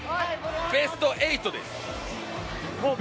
ベスト８です！